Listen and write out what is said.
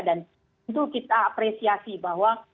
dan tentu kita apresiasi bahwa